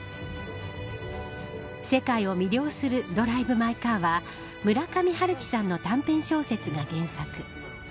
世界を魅了するドライブ・マイ・カーは村上春樹さんの短編小説が原作。